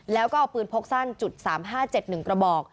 แล้วก็เอาปืนพกสั้น๓๕๗๑กระบอก